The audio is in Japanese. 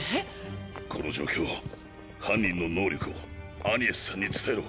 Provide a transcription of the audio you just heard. この状況犯人の能力をアニエスさんに伝えろ。